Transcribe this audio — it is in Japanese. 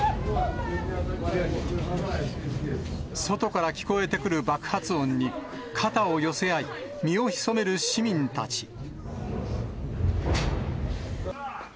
外から聞こえてくる爆発音に、肩を寄せ合い、身を潜める市民たち。